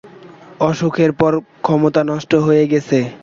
অসুখের পর ক্ষমতা নষ্ট হয়ে গেছে।